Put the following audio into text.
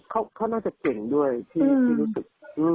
เค้าน่าจะเจ๋งด้วยที่รู้บ้าง